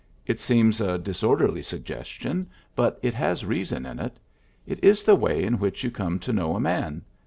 It seems a disorderly suggestion, but it has reason in it. It is the way in which you come to know a man.